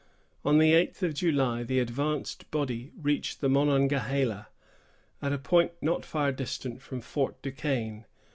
On the eighth of July, the advanced body reached the Monongahela, at a point not far distant from Fort du Quesne.